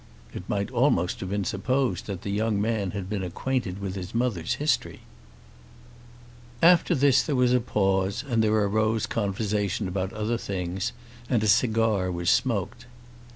It might almost have been supposed that the young man had been acquainted with his mother's history. After this there was a pause, and there arose conversation about other things, and a cigar was smoked.